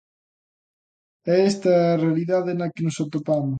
E esta é a realidade na que nos atopamos.